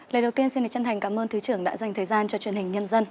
lời đầu tiên xin được chân thành cảm ơn thứ trưởng đã dành thời gian cho truyền hình nhân dân